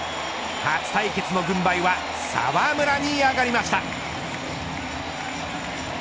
初対決の軍配は澤村に上がりました。